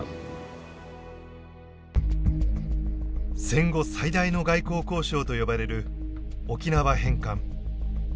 戦後最大の外交交渉と呼ばれる沖縄返還。